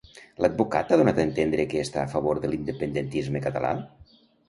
L'advocat ha donat a entendre que està a favor de l'independentisme català?